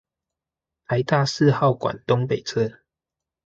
臺大四號館東北側